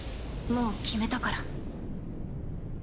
もう決めたから。